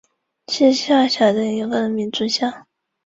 他的儿子克洛维成为哥哥亚历克西斯亲王的继承人。